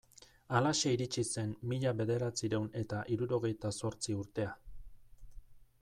Halaxe iritsi zen mila bederatziehun eta hirurogeita zortzi urtea.